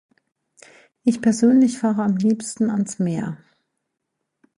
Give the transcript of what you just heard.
Ich persönlich fahre am liebsten ans Meer.